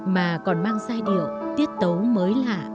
mà còn mang giai điệu tiết tấu mới lạ